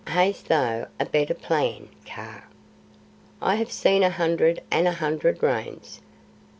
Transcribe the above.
Hast thou a better plan, Kaa?" "I have seen a hundred and a hundred Rains.